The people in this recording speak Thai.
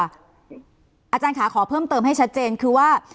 อาจารย์ค่ะขอเพิ่มเติมให้ชัดเจนคือว่า